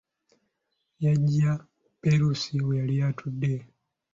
Yaggya Perusi we yali atudde.